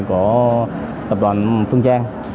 của tập đoàn phương trang